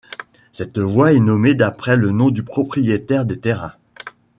Cette voie est nommée d'après le nom du propriétaire des terrains.